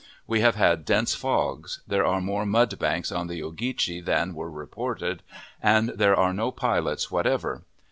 We have had dense fogs; there are more mud banks in the Ogeechee than were reported, and there are no pilots whatever.